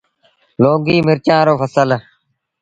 لونگيٚ مرچآݩ رو ڦسل